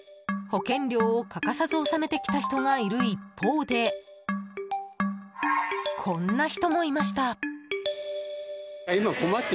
保険料を、欠かさず納めてきた人がいる一方でこんな人もいました。